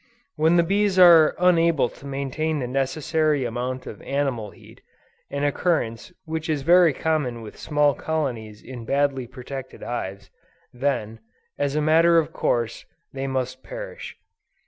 When the bees are unable to maintain the necessary amount of animal heat, an occurrence which is very common with small colonies in badly protected hives, then, as a matter of course, they must perish.